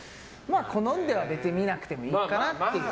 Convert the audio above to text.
好んでは別に見なくてもいいかなっていう。